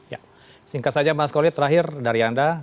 ya singkat saja mas koli terakhir dari anda